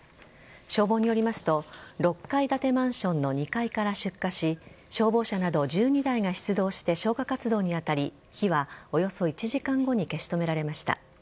消防によりますと６階建てマンションの２階から出火し消防車など１２台が出動して消火活動に当たり火はおよそ１時間後に消し止められました。